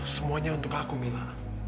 semuanya untuk aku mila